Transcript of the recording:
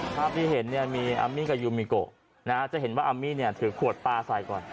ภาพที่เห็นมีอัมมี่กับยูมิโกจะเห็นว่าอัมมี่ถือขวดปลาใส่ก่อน